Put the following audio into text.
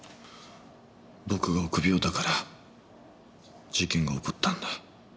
僕が臆病だから事件が起こったんだ。